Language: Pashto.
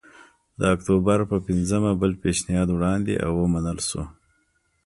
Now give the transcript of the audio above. د اکتوبر په پنځمه بل پېشنهاد وړاندې او ومنل شو